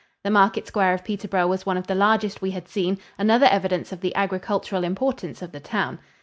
The market square of Peterborough was one of the largest we had seen another evidence of the agricultural importance of the town.